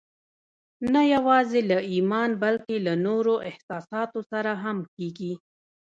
نه يوازې له ايمان بلکې له نورو احساساتو سره هم کېږي.